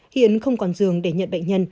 hiện không còn giường để nhận bệnh nhân